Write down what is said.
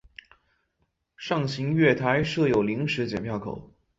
上行月台设有临时剪票口。